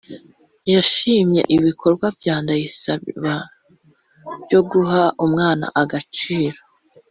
yashimye ibikorwa bya Ndayisaba byo guha umwana agaciro